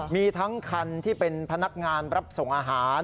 มีทั้งคันที่เป็นพนักงานรับส่งอาหาร